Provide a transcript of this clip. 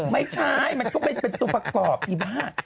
ไม่ใช่มันก็เป็นตัวประกอบอีบ้า